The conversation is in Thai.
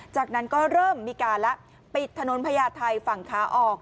จากนั้นก็เริ่มมีการแล้วปิดถนนพญาไทยฝั่งขาออก